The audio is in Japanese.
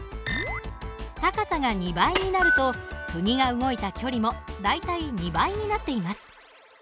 高さが２倍になるとくぎが動いた距離も大体２倍になっています。